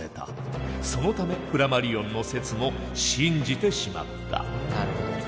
そのためフラマリオンの説も信じてしまった。